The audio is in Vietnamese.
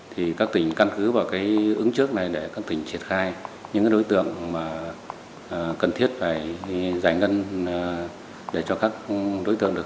thì các tỉnh căn cứ vào cái ứng trước này để các tỉnh triệt khai những đối tượng mà cần thiết phải giải ngân để cho các đối tượng được hưởng cái chính sách bồi thường này